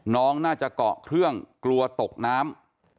น้องน่าจะเกาะเครื่องกลัวตกน้ำ